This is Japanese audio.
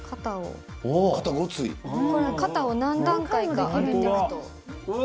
肩を何段階か上げていくと。